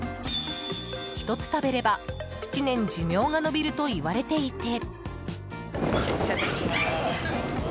１つ食べれば、７年寿命が延びると言われていて。